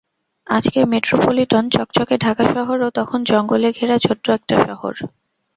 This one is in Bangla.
আজকের মেট্রোপলিটন চকচকে ঢাকা শহরও তখন জঙ্গলে ঘেরা ছোট্ট একটা শহর।